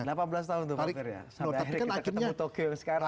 sampai akhirnya kita ketemu tokyo sekarang